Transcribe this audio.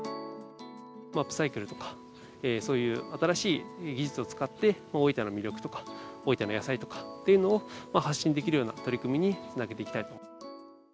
アップサイクルとか、そういう新しい技術を使って、大分の魅力とか、大分の野菜とかというのを、発信できるような取り組みにつなげていきたいと。